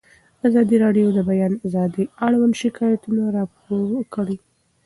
ازادي راډیو د د بیان آزادي اړوند شکایتونه راپور کړي.